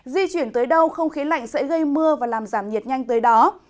di chuyển tới đâu không khí lạnh sẽ gây mưa và làm giảm nhiệt nhanh tới đó